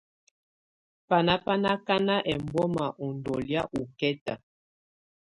Banà bà ná akana ɛmbɔma ú ndɔlɔ̀́á ɔkɛta.